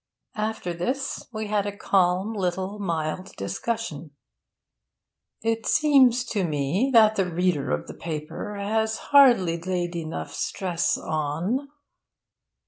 After this, we had a calm little mild discussion 'It seems to me that the reader of the paper has hardly laid enough stress on...'